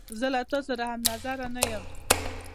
زه له تا سره همنیزی نه یم.